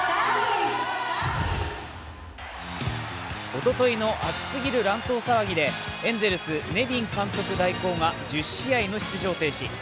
おとといの熱すぎる乱闘騒ぎでエンゼルス、ネビン監督代行が１０試合の出場停止。